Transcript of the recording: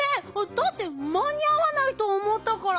だってまにあわないとおもったから。